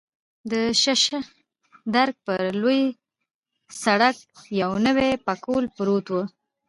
د شش درک پر لوی سړک یو نوی پکول پروت و.